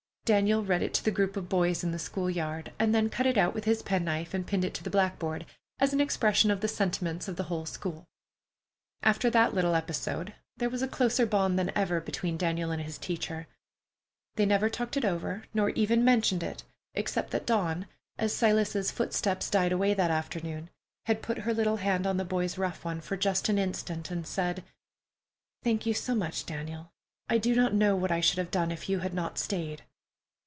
Daniel read it to a group of the boys in the school yard, and then cut it out with his penknife and pinned it to the blackboard, as an expression of the sentiments of the whole school. After that little episode, there was a closer bond than ever between Daniel and his teacher. They never talked it over, nor even mentioned it, except that Dawn, as Silas's footsteps died away that afternoon, had put her little hand on the boy's rough one for just an instant, and said: "Thank you so much, Daniel. I do not know what I should have done if you had not stayed."